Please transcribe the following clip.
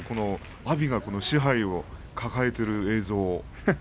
阿炎が賜盃を抱えている映像を。